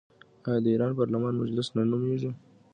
آیا د ایران پارلمان مجلس نه نومیږي؟